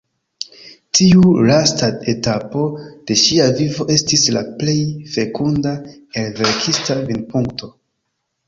Tiu lasta etapo de ŝia vivo estis la plej fekunda el verkista vidpunkto.